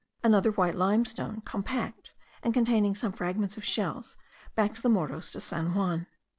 Another white limestone, compact, and containing some fragments of shells, backs the Morros de San Juan.